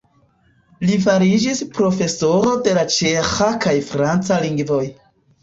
Li fariĝis profesoro de la ĉeĥa kaj franca lingvoj.